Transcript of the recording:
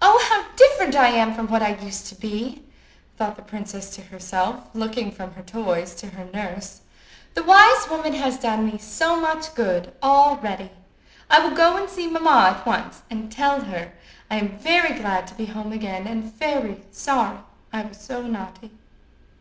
"Oh! how different I am from what I used to be!" thought the princess to herself, looking from her toys to her nurse. "The wise woman has done me so much good already! I will go and see mamma at once, and tell her I am very glad to be at home again, and very sorry I was so naughty."